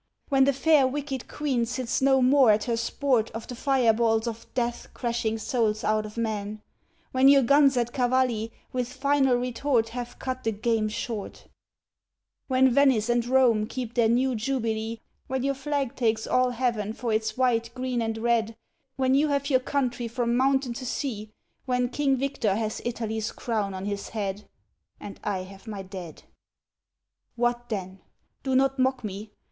When the fair wicked queen sits no more at her sport Of the fire balls of death crashing souls out of men? When your guns at Cavalli with final retort Have cut the game short, When Venice and Rome keep their new jubilee, When your flag takes all heaven for its white, green, and red, When you have your country from mountain to sea, When King Victor has Italy's crown on his head, (And I have my dead,) What then? Do not mock me.